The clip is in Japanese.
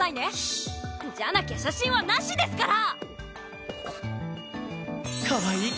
じゃなきゃ写真はなしですから！かわいい！